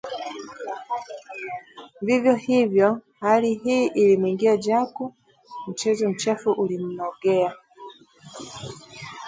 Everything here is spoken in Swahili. Vivyo hivyo hali hii ilimwingia Jaku , mchezo mchafu ulimnogea